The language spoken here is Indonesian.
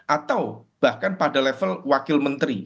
atau bahkan pada level wakil menteri